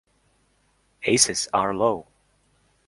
Aces are low.